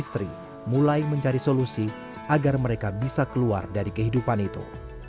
istri mulai mencari solusi agar mereka bisa keluar dari kehidupan itu